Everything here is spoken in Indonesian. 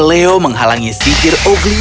leo menghalangi sidir ugly